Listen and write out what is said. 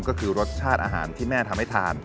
ก็คือรสชาติอาหารที่แม่ทำให้ทาน